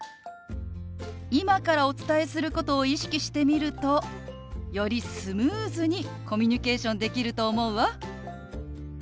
今からお伝えすることを意識してみるとよりスムーズにコミュニケーションできると思うわ。